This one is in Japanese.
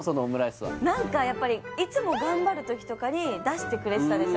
やっぱりいつも頑張る時とかに出してくれてたんですよ